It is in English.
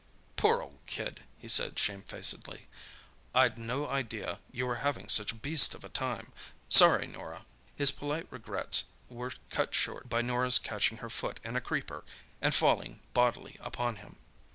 "Poor old kid!" he said shamefacedly. "I'd no idea you were having such a beast of a time. Sorry, Norah!" His polite regrets were cut short by Norah's catching her foot in a creeper and falling bodily upon him.